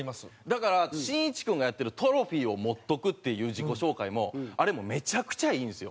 だからしんいち君がやってるトロフィーを持っとくっていう自己紹介もあれもめちゃくちゃいいんですよ。